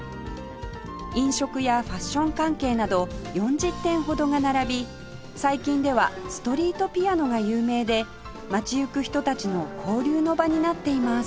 飲食やファッション関係など４０店ほどが並び最近ではストリートピアノが有名で街行く人たちの交流の場になっています